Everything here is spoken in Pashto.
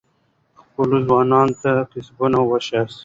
خپلو ځوانانو ته کسبونه وښایئ.